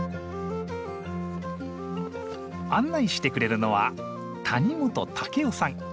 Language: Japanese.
案内してくれるのは谷本夫さん。